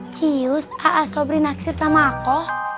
cius a'a sobri naksir sama aku